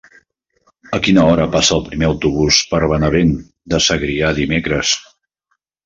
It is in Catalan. A quina hora passa el primer autobús per Benavent de Segrià dimecres?